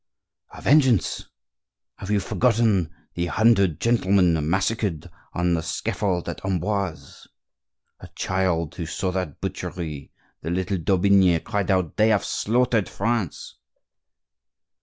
"A vengeance. Have you forgotten the hundred gentlemen massacred on the scaffold at Amboise? A child who saw that butchery, the little d'Aubigne cried out, 'They have slaughtered France!